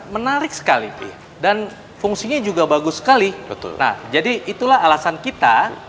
menarik sekali dan fungsinya juga bagus sekali betul nah jadi itulah alasan kita